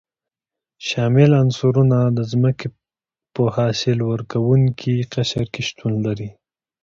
شامل عنصرونه د ځمکې په حاصل ورکوونکي قشر کې شتون لري.